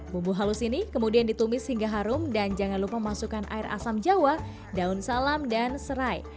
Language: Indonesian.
bumbu halus ini kemudian ditumis hingga harum dan jangan lupa masukkan air asam jawa daun salam dan serai